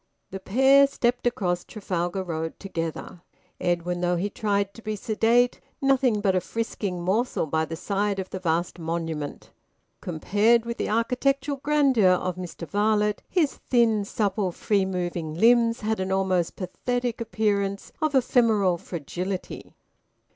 The pair stepped across Trafalgar Road together, Edwin, though he tried to be sedate, nothing but a frisking morsel by the side of the vast monument. Compared with the architectural grandeur of Mr Varlett, his thin, supple, free moving limbs had an almost pathetic appearance of ephemeral fragility.